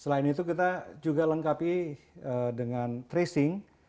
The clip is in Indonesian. selain itu kita juga lengkapi dengan tracing